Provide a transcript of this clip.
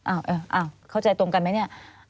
อ้าวอาวเข้าใจตรงกันไหมเนี่ย